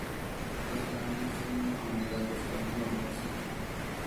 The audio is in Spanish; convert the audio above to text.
Los canarios son una comunidad bastante numerosa en Cuba.